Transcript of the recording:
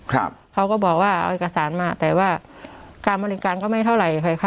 เขาก็บอกว่าเอาเอกสารมาแต่ว่าการบริการก็ไม่เท่าไหร่ค่ะ